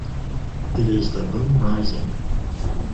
It is the moon rising.